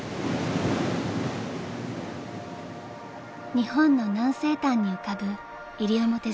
［日本の南西端に浮かぶ］